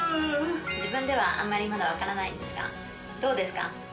自分ではあんまりまだ分からないんですがどうですか？